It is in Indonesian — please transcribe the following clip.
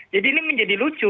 jadi ini menjadi lucu